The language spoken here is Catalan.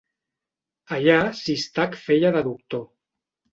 Allà Sistac feia de doctor